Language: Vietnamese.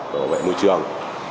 cổ vệ môi trường